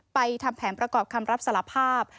ทำแผนประกอบคำรับสารภาพ